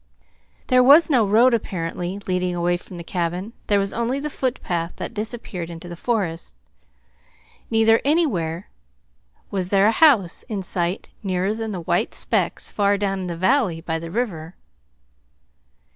There was no road, apparently, leading away from the cabin. There was only the footpath that disappeared into the forest. Neither, anywhere, was there a house in sight nearer than the white specks far down in the valley by the river.